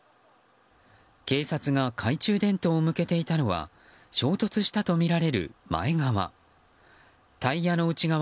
警察が懐中電灯を向けていたのは衝突したとみられる前側。